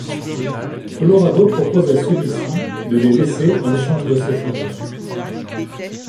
Colorado propose à celui-ci de les laisser en échange de ses faveurs.